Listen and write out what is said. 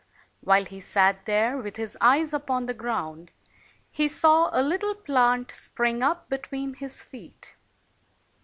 While he sat there, with his eyes upon the ground, he saw a little plant spring up between his feet.